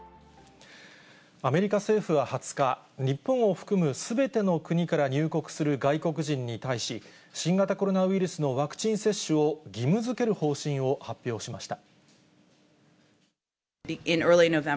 アメリカ政府は２０日、日本を含むすべての国から入国する外国人に対し、新型コロナウイルスのワクチン接種を義務づける方針を発表しました。